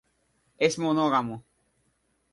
Es monógamo.